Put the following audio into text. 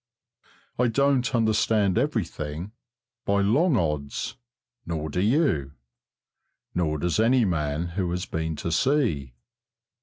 I don't understand everything, by long odds, nor do you, nor does any man who has been to sea.